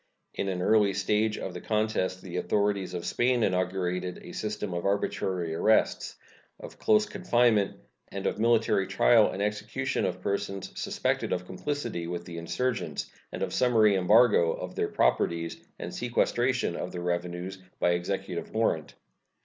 In an early stage of the contest the authorities of Spain inaugurated a system of arbitrary arrests, of close confinement, and of military trial and execution of persons suspected of complicity with the insurgents, and of summary embargo of their properties, and sequestration of their revenues by executive warrant.